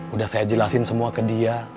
udah saya jelasin semua ke dia